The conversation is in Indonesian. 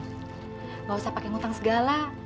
tidak usah pakai ngutang segala